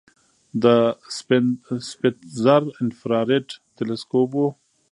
د سپیتزر انفراریډ تلسکوپ و.